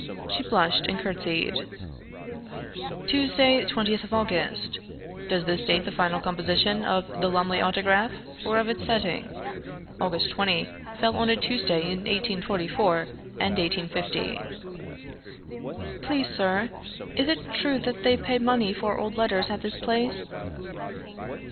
She blushed and courtesied. {Tuesday, 20th of August = does this date the final composition of "The Lumley Autograph" or of its setting? August 20 fell on a Tuesday in 1844 and 1850} "Please, sir, is it true that they pay money for old letters at this place?"